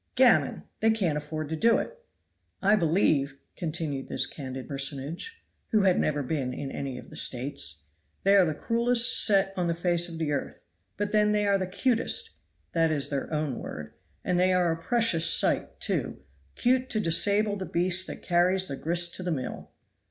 Gammon! they can't afford to do it. I believe," continued this candid personage (who had never been in any of the States), "they are the cruelest set on the face of the earth, but then they are the 'cutest (that is their own word), and they are a precious sight too 'cute to disable the beast that carries the grist to the mill."